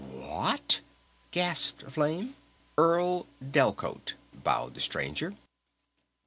"What?" gasped Flame. "Earle Delcote," bowed the Stranger.